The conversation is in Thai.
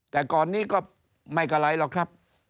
แต่ก่อนนี้ก็ไม่เป็นไรหรอกครับ